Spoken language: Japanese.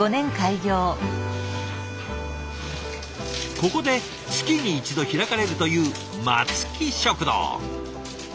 ここで月に１度開かれるという松木食堂。